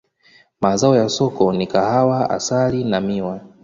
Mazao ya soko ni kahawa, asali na miwa.